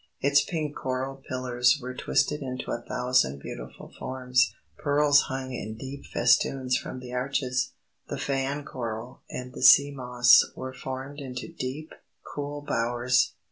Its pink coral pillars were twisted into a thousand beautiful forms. Pearls hung in deep festoons from the arches. The fan coral and the sea moss were formed into deep, cool bowers.